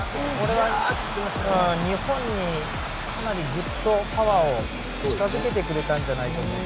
日本に、かなりグッとパワーを近づけてくれたんじゃないかと。